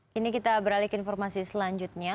kini kita beralih ke informasi selanjutnya